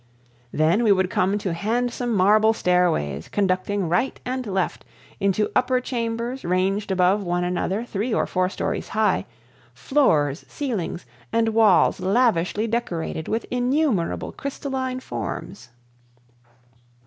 Then we would come to handsome marble stairways conducting right and left into upper chambers ranged above one another three or four stories high, floors, ceilings, and walls lavishly decorated with innumerable crystalline forms.